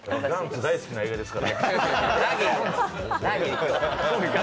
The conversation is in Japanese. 大好きな映画ですから。